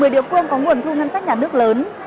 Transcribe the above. một mươi địa phương có nguồn thu ngân sách nhà nước lớn